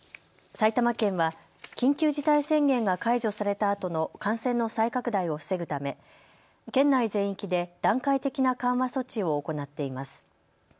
埼玉県は緊急事態宣言が解除されたあとの感染の再拡大を防ぐため県内全域で段階的な緩和措置を行っています。